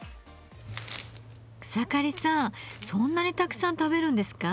草刈さん、そんなにたくさん食べるんですか？